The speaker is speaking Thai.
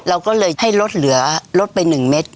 เราก็เลยให้ลดไป๑เม็ด